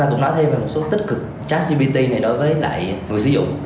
cũng nói thêm về một số tích cực chat gpt này đối với lại người sử dụng